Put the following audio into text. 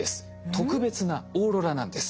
特別なオーロラなんです。